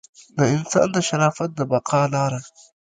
د انسان د شرافت د بقا لاره.